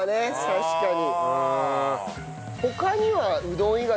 確かに。